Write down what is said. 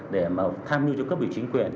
để tham nhu cho các vị chính quyền